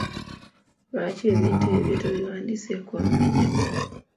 Lwaki ebintu ebyo tobiwandiiseeko mannya go.